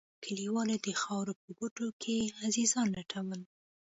كليوالو د خاورو په کوټو کښې عزيزان لټول.